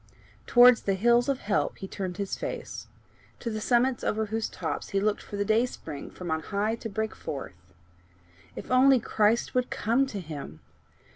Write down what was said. Towards the hills of help he turned his face to the summits over whose tops he looked for the dayspring from on high to break forth. If only Christ would come to him!